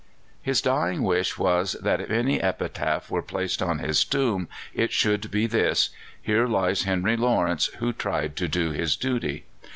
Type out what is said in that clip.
His dying wish was that, if any epitaph were placed on his tomb, it should be this: "Here lies Henry Lawrence, who tried to do his duty."